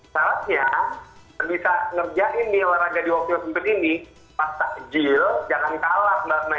salahnya bisa ngerjain nih olahraga di waktu waktu ini pas takjil jangan kalah mbak may